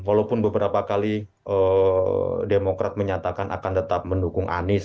walaupun beberapa kali demokrat menyatakan akan tetap mendukung anies